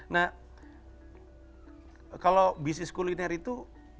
nah kalau bisnis kuliner itu